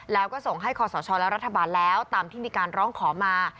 แล้วก็ส่งให้คอสชและรัฐบาลแล้วตามที่มีการร้องขอมา